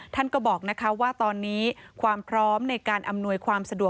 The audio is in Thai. ท่านก็บอกว่าตอนนี้ภาพอัลวิที่